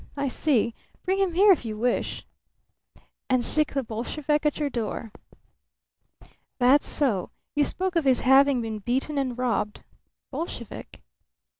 I see. Bring him here if you wish." "And sic the Bolshevik at your door." "That's so. You spoke of his having been beaten and robbed. Bolshevik?"